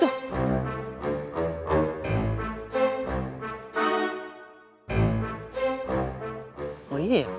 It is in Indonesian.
tunggu aku mau ke rumah pak rtv